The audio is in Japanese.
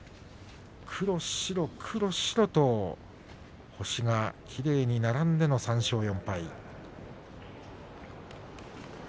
黒白、黒白と星がきれいに並んでの３勝４敗。